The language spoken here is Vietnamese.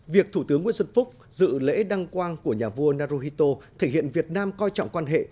việc thủ tướng nguyễn xuân phúc dự lễ đăng quang của nhà vua naruhito thể hiện việt nam coi trọng quan hệ